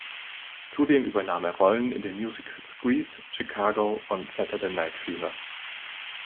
Zudem übernahm er Rollen in den Musicals Grease, Chicago und Saturday Night Fever.